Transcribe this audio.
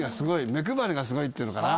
目配りがすごいっつうのかな。